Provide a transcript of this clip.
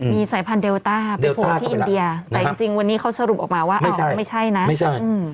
มีสายพันธุ์เดลต้าไปพบที่อินเดียแต่จริงวันนี้เขาสรุปออกมาว่าไม่ใช่นะ